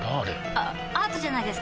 あアートじゃないですか？